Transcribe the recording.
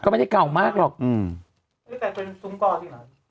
ก็ไม่ได้เก่ามากหรอกไม่ได้เป็นซุ้มกอจริงหรอ